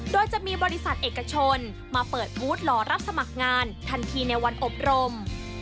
โดยจะมีบริษัทเอกชนมาเปิดบูธหล่อรับสมัครงานทันทีในวันอบรม